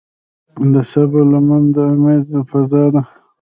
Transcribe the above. د صبر لمن د امید فضا ده.